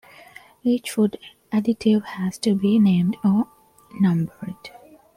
Each food additive has to be named or numbered.